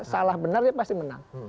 salah benarnya pasti menang